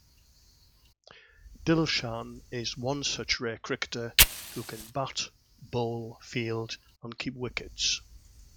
Dilshan is one such rare cricketer who can bat, bowl, field and keep wickets.